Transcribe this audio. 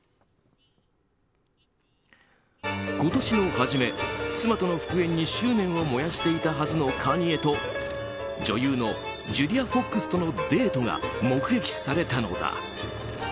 今年の始め、妻との復縁に執念を燃やしていたはずのカニエと女優のジュリア・フォックスとのデートが目撃されたのだ。